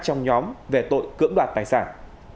trong nhóm về tội cưỡng đoạt tài sản